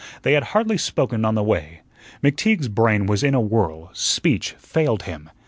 They had hardly spoken on the way. McTeague's brain was in a whirl; speech failed him.